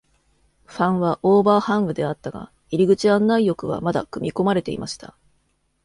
ファンはオーバーハングであったが、入口案内翼はまだ組み込まれていました。